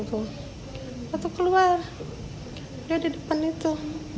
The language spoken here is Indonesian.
waktu keluar dia di depan itu